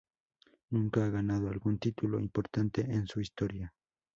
Nunca ha ganado algún título importante en su historia.